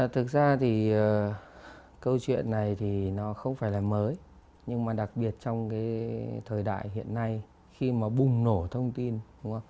thực ra thì câu chuyện này thì nó không phải là mới nhưng mà đặc biệt trong cái thời đại hiện nay khi mà bùng nổ thông tin đúng không